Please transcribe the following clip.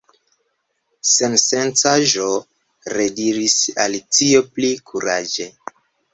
"Sensencaĵo," rediris Alicio pli kuraĝe.